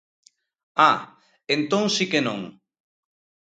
_Ah, entón si que non.